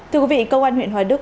thưa quý vị công an huyện hòa đức